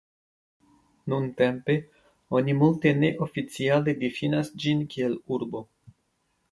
Nuntempe oni multe neoficiale difinas ĝin kiel urbo.